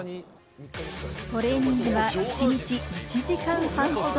トレーニングは一日１時間半ほど。